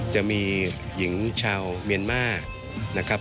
จะมีหญิงชาวเมียนมานะครับ